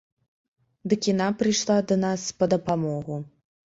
Дык яна прыйшла да нас па дапамогу.